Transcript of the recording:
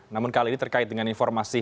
namun kali ini terkait dengan informasi